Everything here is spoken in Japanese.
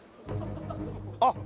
あっ！